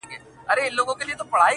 د دروازې پر سر یې ګل کرلي دینه!!